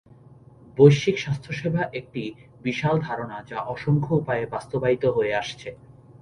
বৈশ্বিক স্বাস্থ্যসেবা একটি বিশাল ধারণা যা অসংখ্য উপায়ে বাস্তবায়িত হয়ে আসছে।